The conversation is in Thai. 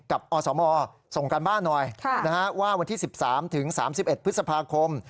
อสมส่งการบ้านหน่อยว่าวันที่๑๓๓๑พฤษภาคม